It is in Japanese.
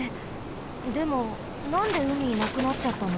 でもなんでうみなくなっちゃったの？